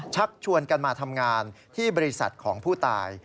ชักชวนกันมาทำงานที่บริษัทของผู้ตาย